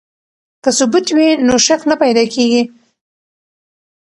که ثبوت وي نو شک نه پیدا کیږي.